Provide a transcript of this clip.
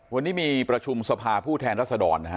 วันนี้มีประชุมสภาผู้แทนรัศดรนะฮะ